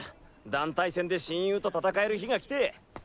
団体戦で親友と戦える日が来て。